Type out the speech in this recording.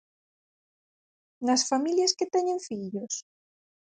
¿Nas familias que teñen fillos?